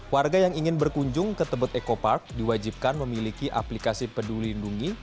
warga yang ingin berkunjung ke tebet eco park diwajibkan memiliki aplikasi peduli lindungi